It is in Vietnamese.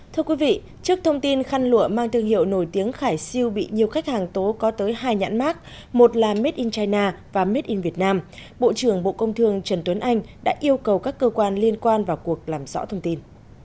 thưa quý vị trước thông tin khăn lụa mang thương hiệu nổi tiếng khải siêu bị nhiều khách hàng tố có tới hai nhãn mát một là made in china và made in vietnam bộ trưởng bộ công thương trần tuấn anh đã yêu cầu các cơ quan liên quan vào cuộc làm rõ thông tin